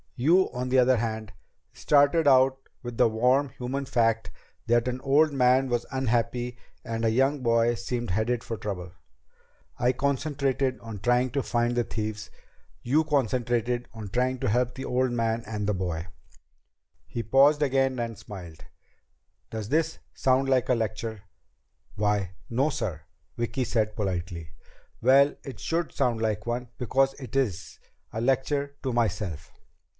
You, on the other hand, started out with the warm, human fact that an old man was unhappy and a young boy seemed headed for trouble. I concentrated on trying to find the thieves. You concentrated on trying to help the old man and the boy." He paused again and smiled. "Does this sound like a lecture?" "Why no, sir," Vicki said politely. "Well, it should sound like one because it is. A lecture to myself."